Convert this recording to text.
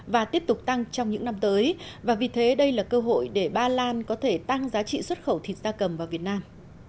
và tiếp tục tăng trong những năm tới và vì thế đây là cơ hội để ba lan có thể tăng giá trị xuất khẩu thịt da cầm vào việt nam